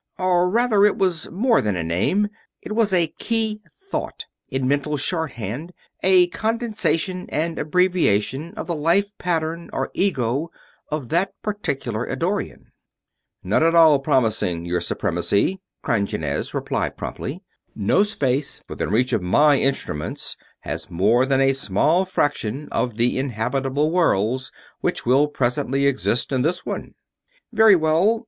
Or, rather, it was more than a name. It was a key thought, in mental shorthand; a condensation and abbreviation of the life pattern or ego of that particular Eddorian. "Not at all promising, Your Supremacy," Krongenes replied promptly. "No space within reach of my instruments has more than a small fraction of the inhabitable worlds which will presently exist in this one." "Very well.